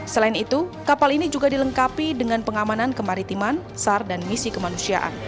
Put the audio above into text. selain itu kapal ini juga dilengkapi dengan pengamanan kemaritiman sar dan misi kemanusiaan